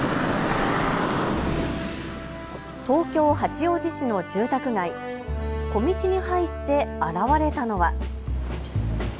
東京八王子市の住宅街、小道に入って現れたのは。